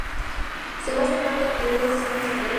Se basa en parte en la teoría de sistemas ecológicos.